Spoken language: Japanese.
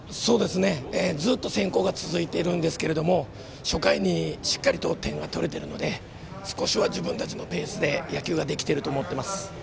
ずっと先攻が続いているんですけれども初回にしっかりと点が取れているので少しは自分たちのペースで野球ができていると思っています。